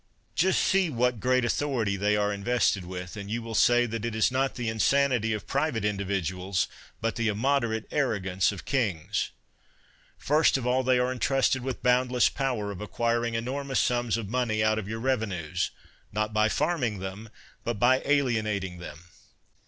Just see what great authority they are invested with, and you will say that it is not the insanity of private individuals, but the immoderate arro gance of kings. First of all, they are entrusted with boundless power of acquiring enormous sums of money out of your revenues, not by farming them, but by alienating them.